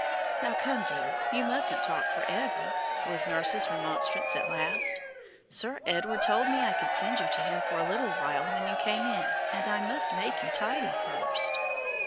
"Now, come, my dear, you mustn't talk forever," was nurse's remonstrance at last; "Sir Edward told me I could send you to him for a little when you came in, and I must make you tidy first."